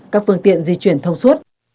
các phương tiện di chuyển thông suốt